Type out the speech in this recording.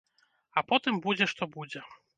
А потым будзе, што будзе.